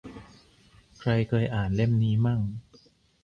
ใครเคยอ่านเล่มนี้มั่ง